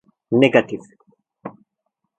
Negatif…